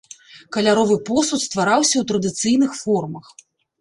Каляровы посуд ствараўся ў традыцыйных формах.